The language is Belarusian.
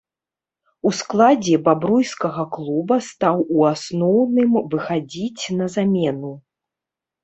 У складзе бабруйскага клуба стаў у асноўным выхадзіць на замену.